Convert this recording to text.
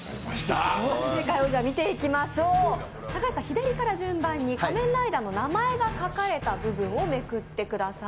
正解見ていきましょう高橋さん、左から順番に仮面ライダーの名前が書かれた部分をめくってください。